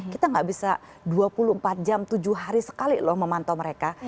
kita nggak bisa dua puluh empat jam tujuh hari sekali loh memantau mereka